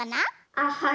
あっはい。